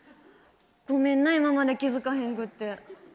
ごめんな今まで気付かへんくって。